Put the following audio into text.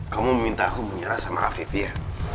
kamu meminta aku menyerah sama afif ya